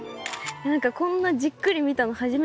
何かこんなじっくり見たの初めてです。